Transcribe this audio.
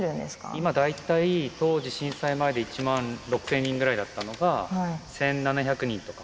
今、大体当時、震災前で１万６０００人ぐらいだったのが、１７００人とか。